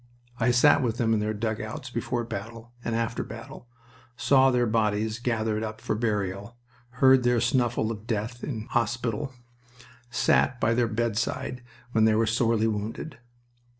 I sat with them in their dugouts before battle and after battle, saw their bodies gathered up for burial, heard their snuffle of death in hospital, sat by their bedside when they were sorely wounded.